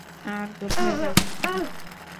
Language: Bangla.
আর কোথায় যাবো আমরা?